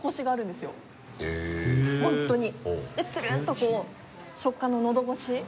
でつるんとこう食感ののどごし。